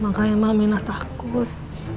makanya emang minah takut